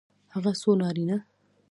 هغه څو نارینه